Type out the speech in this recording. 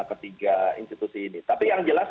ketiga institusi ini tapi yang jelas